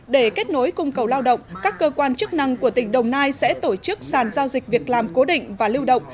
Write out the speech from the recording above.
để kết nối cung cầu lao động các cơ quan chức năng của tỉnh đồng nai sẽ tổ chức sàn giao dịch việc làm cố định và lưu động